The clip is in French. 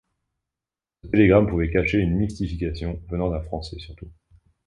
Ce télégramme pouvait cacher une mystification, venant d’un Français surtout.